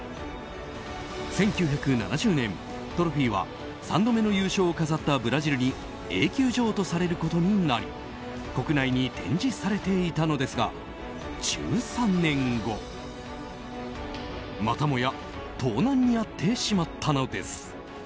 １９７０年、トロフィーは３度目の優勝を飾ったブラジルに永久譲渡されることになり国内に展示されていたのですが１３年後、またもや盗難に遭ってしまったのです。